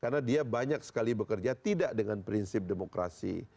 karena dia banyak sekali bekerja tidak dengan prinsip demokrasi